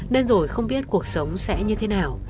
nên rồi không biết cuộc sống sẽ như thế nào